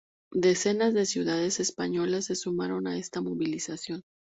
Decenas de ciudades españolas se sumaron a esta movilización.